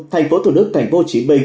thành phố thủ đức thành phố chí minh